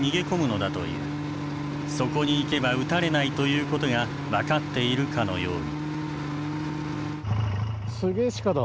そこに行けば撃たれないということが分かっているかのように。